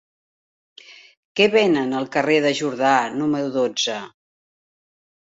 Què venen al carrer de Jordà número dotze?